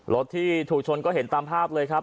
รถที่ถูกชนก็เห็นตามภาพเลยครับ